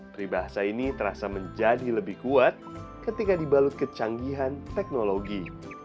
peribahasa ini terasa menjadi lebih kuat ketika dibalut kecanggihan teknologi